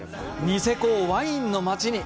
ニセコをワインの町に！